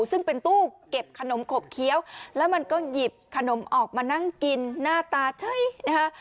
ซึ่งเป็นตู้เก็บขนมขบเคี้ยวแล้วมันก็หยิบขนมออกมานั่งกินหน้าตาเฉยนะคะ